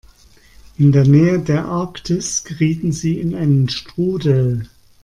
In der Nähe der Arktis gerieten sie in einen Strudel.